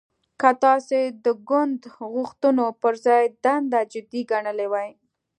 که تاسو د ګوند غوښتنو پر ځای دنده جدي ګڼلې وای